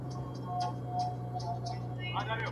د هېواد ابادي د ټولو ګډه دنده ده.